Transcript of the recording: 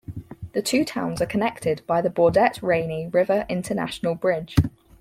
The two towns are connected by the Baudette - Rainy River International Bridge.